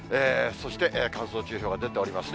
そして、乾燥注意報が出ておりますね。